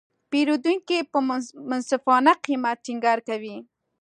پیرودونکي په منصفانه قیمت ټینګار کوي.